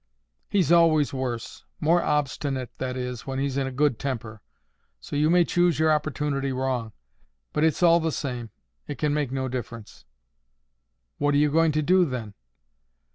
"He's always worse—more obstinate, that is, when he's in a good temper. So you may choose your opportunity wrong. But it's all the same. It can make no difference." "What are you going to do, then?"